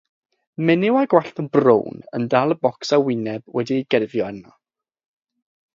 Menyw â gwallt brown yn dal bocs â wyneb wedi'i gerfio arno.